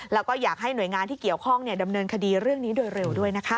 แล้วก็อยากให้หน่วยงานที่เกี่ยวข้องดำเนินคดีเรื่องนี้โดยเร็วด้วยนะคะ